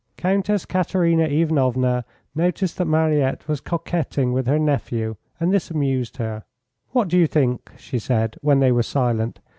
Countess Katerina Ivanovna noticed that Mariette was coquetting with her nephew, and this amused her. "What do you think?" she said, when they were silent.